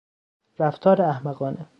رفتار احمقانه